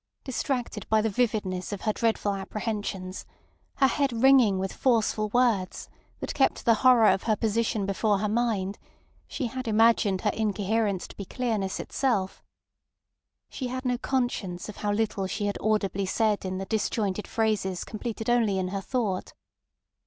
Distracted by the vividness of her dreadful apprehensions, her head ringing with forceful words, that kept the horror of her position before her mind, she had imagined her incoherence to be clearness itself. She had no conscience of how little she had audibly said in the disjointed phrases completed only in her thought.